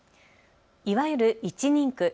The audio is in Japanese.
いわゆる１人区。